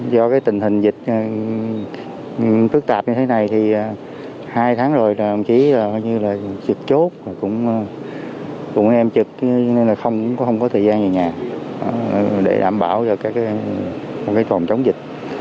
do cái tình hình dịch tức tạp như thế này thì hai tháng rồi là ông chí hơi như là trực chốt cũng em trực nên là không có thời gian về nhà để đảm bảo cho cái thòng chống dịch